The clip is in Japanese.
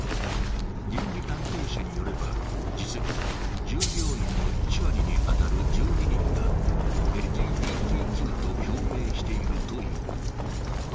人事担当者によれば、実に従業員の１割に当たる１２人がＬＧＢＴＱと表明しているという。